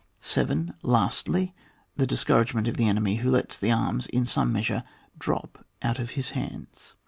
7. Lastly, the discouragement of the enemy who lets the arms, in some mea sure, drop out of his hands.